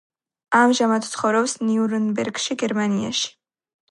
ამჟამად ცხოვრობს ნიურნბერგში, გერმანიაში.